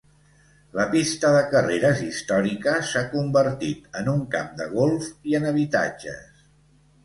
La pista de carreres històrica s'ha convertit en un camp de golf i en habitatges.